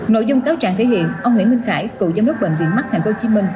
nội dung cáo trạng thể hiện ông nguyễn minh khải cựu giám đốc bệnh viện mắc tp hcm